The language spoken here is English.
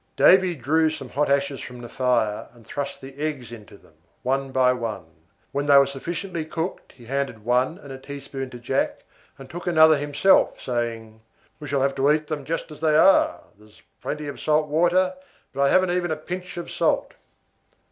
Davy drew some hot ashes from the fire, and thrust the eggs into them, one by one. When they were sufficiently cooked, he handed one and a teaspoon to Jack and took another himself, saying, "We shall have to eat them just as they are; there is plenty of salt water, but I haven't even a pinch of salt."